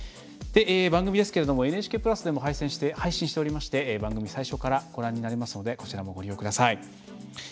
番組ですけれどもＮＨＫプラスでも配信しておりまして番組を最初からご覧になれますのでこちらもご利用ください。